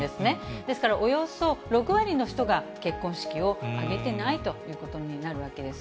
ですからおよそ、６割の人が結婚式を挙げてないということになるわけです。